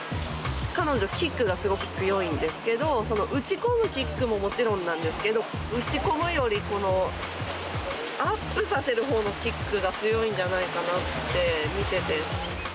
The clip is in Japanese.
彼女、キックが強いんですけどその打ち込むキックももちろんですが打ち込むよりアップさせるキックが強いんじゃないかって。